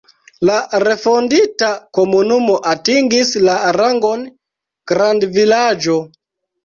La refondita komunumo atingis la rangon grandvilaĝo.